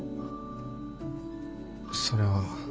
それは。